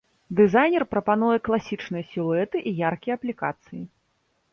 Дызайнер прапануе класічныя сілуэты і яркія аплікацыі.